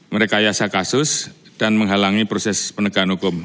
mereka yasa kasus dan menghalangi proses penegahan hukum